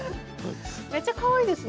めちゃかわいいですね。